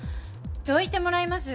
どいてもらえます？